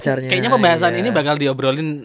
kayaknya pembahasan ini bakal diobrolin